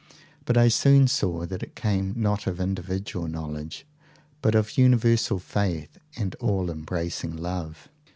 But I soon saw that it came not of individual knowledge, but of universal faith and all embracing love.